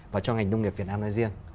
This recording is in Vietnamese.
và cho ngành nông nghiệp việt nam nói riêng